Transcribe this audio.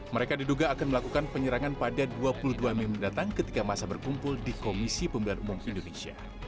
mereka diduga akan melakukan penyerangan pada dua puluh dua mei mendatang ketika masa berkumpul di komisi pemilihan umum indonesia